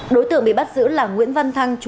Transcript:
đối tượng bị bắt giữ là nguyễn văn thăng